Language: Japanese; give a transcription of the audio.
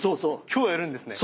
今日やるんですね？